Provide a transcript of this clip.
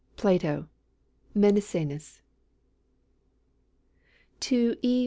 PLATO: "Menexenus." TO E.